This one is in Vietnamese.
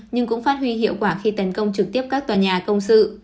nhưng cũng phát huy hiệu quả khi tấn công trực tiếp các tòa nhà công sự